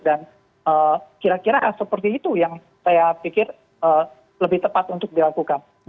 dan kira kira seperti itu yang saya pikir lebih tepat untuk dilakukan